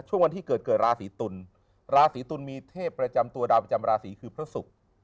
วันที่เกิดเกิดราศีตุลราศีตุลมีเทพประจำตัวดาวประจำราศีคือพระศุกร์